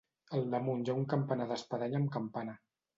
Al damunt hi ha un campanar d'espadanya amb campana.